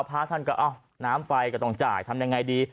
พระท่านก็น้ำไฟก็ต้องจ่ายทำยังไงดี